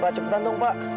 pak cepetan tunggu pak